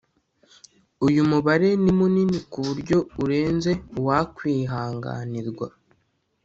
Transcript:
uyu mubare ni munini ku buryo urenze uwakwihanganirwa